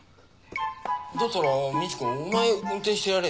だったらみち子お前運転してやれ。